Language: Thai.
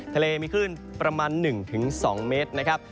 ทะเลมีคลื่นประมาณ๑๒เมตรนะครับ